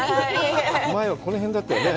前はこの辺だったよね。